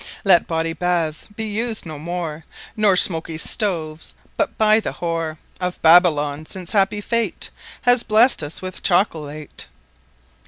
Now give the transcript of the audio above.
Let Bawdy Baths be us'd no more; Nor Smoaky Stoves but by the whore Of Babilon: since Happy Fate Hath Blessed us with Chocolate.